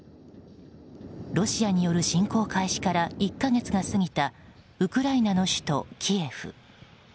ロシアによる侵攻開始から１か月が過ぎたウクライナの首都キエフ。